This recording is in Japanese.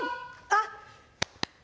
あっ！